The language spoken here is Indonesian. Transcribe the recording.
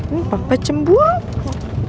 ini papa cemburu